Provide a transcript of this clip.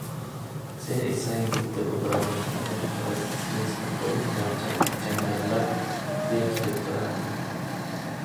Sen esang bitta ko‘kragimni emib turib, ikkinchisini qo‘ling bilan changallab, berkitib turarding...